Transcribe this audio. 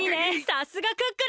さすがクックルン！